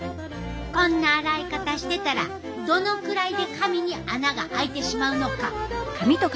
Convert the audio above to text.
こんな洗い方してたらどのくらいで髪に穴があいてしまうのか。